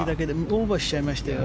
オーバーしちゃいましたよ